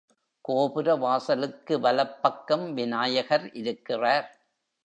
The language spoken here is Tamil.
கோபுர வாசலுக்கு வலப்பக்கம் விநாயகர் இருக்கிறார்.